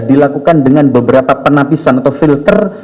dilakukan dengan beberapa penapisan atau filter